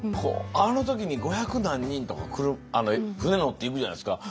あの時に五百何人とか来る船乗って行くじゃないですか。